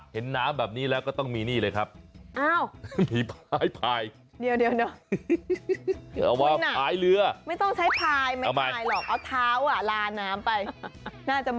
เห็นน้ำแบบนี้แล้วก็ต้องมีนี่เลยครับ